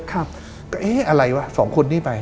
ก็เอ๊ะอะไรวะสองคนนี้ไป